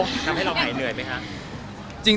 ทำให้เราหายเหนื่อยไหมคะ